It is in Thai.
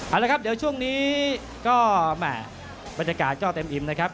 เอาละครับเดี๋ยวช่วงนี้ก็แหม่บรรยากาศก็เต็มอิ่มนะครับ